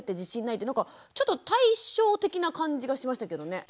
なんかちょっと対照的な感じがしましたけどね。